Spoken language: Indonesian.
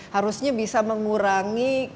harusnya bisa mengurangi ongkos logistik